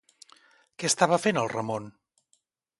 Què estava fent el Ramon?